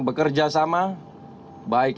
bekerja sama baik